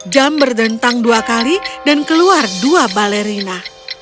jam berdentang dua kali dan keluar dua balerina